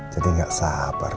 jadi gak sabar